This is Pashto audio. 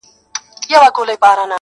هو زه پوهېږمه، خیر دی یو بل چم وکه.